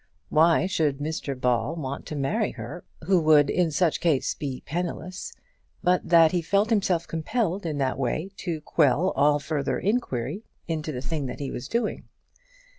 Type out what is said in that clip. Why should Mr Ball want to marry her, who would in such a case be penniless, but that he felt himself compelled in that way to quell all further inquiry into the thing that he was doing?